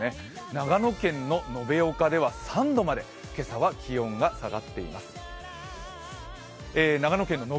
長野県の野辺山では３度まで今朝は下がっています。